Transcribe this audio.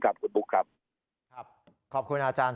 ครับคุณบุ๊คครับครับขอบคุณอาจารย์